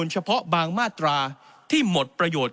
เฉพาะบางมาตราที่หมดประโยชน์